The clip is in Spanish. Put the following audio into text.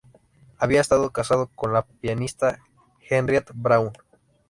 Había estado casado con la pianista Henriette Braun.